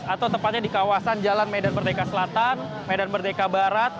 atau tepatnya di kawasan jalan medan merdeka selatan medan merdeka barat